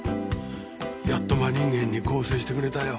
やっと真人間に更生してくれたよ。